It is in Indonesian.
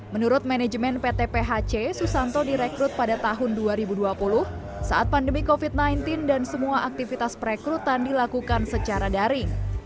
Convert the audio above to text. menurut manajemen pt phc susanto direkrut pada tahun dua ribu dua puluh saat pandemi covid sembilan belas dan semua aktivitas perekrutan dilakukan secara daring